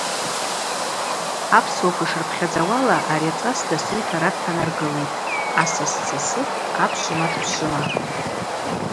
Апсуаква йшырпхьадзауала ари ацӏас дасу йтара дтанаргылитӏ: асас дсасыпӏ, апшвыма дпшвымапӏ.